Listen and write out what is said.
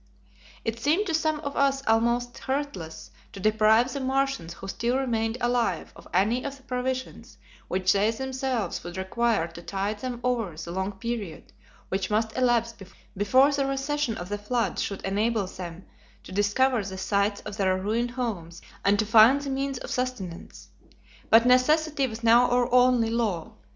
It seemed to some of us almost heartless to deprive the Martians who still remained alive of any of the provisions which they themselves would require to tide them over the long period which must elapse before the recession of the flood should enable them to discover the sites of their ruined homes, and to find the means of sustenance. But necessity was now our only law.